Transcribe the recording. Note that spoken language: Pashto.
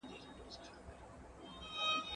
تمرين وکړه؟!